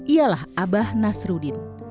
ialah abah nasruddin